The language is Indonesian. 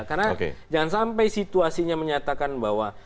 karena jangan sampai situasinya menyatakan bahwa